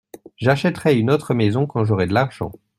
J’achèterai une autre maison quand j’aurai de l’argent.